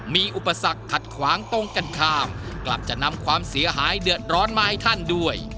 มีอุปสรรคขัดขวางตรงกันข้ามกลับจะนำความเสียหายเดือดร้อนมาให้ท่านด้วย